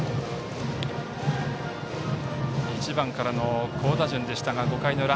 １番からの好打順でしたが５回の裏。